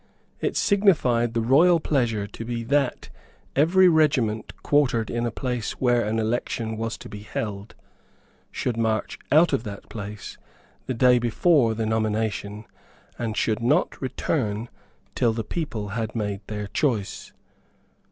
It signified the royal pleasure to be that every regiment quartered in a place where an election was to be held should march out of that place the day before the nomination, and should not return till the people had made their choice.